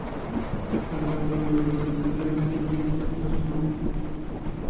তবে সেনাবাহিনী জনগণের নির্বাচিত প্রেসিডেন্ট হিসেবে তাঁর প্রতি সর্বোচ্চ সম্মান প্রদর্শন করেছে।